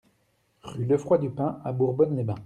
Rue Lefroit Dupain à Bourbonne-les-Bains